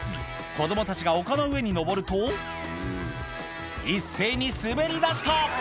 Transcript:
子供たちが丘の上に上ると一斉に滑りだした！